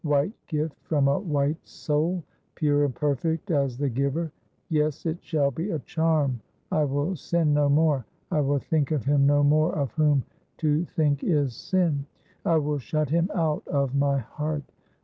'White gift from a white soul, pure and perfect as the giver. Yes, it shall be a charm. I will sin no more. I will think of him no more of whom to think is sin. I will shut him out of my heart.